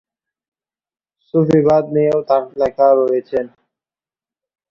সুফিবাদ নিয়েও তার লেখা রয়েছেন।